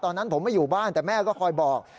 ตอนนั้นผมไม่อยู่บ้านแต่แม่ก็คอยบอก